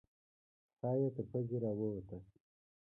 ساه یې تر پزې راووته.